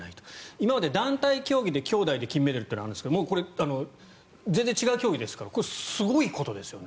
今まで団体競技できょうだいで金メダルはありますが全然違う競技ですからこれはすごいことですよね。